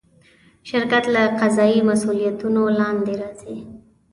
شرکت له قضایي مسوولیتونو لاندې راځي.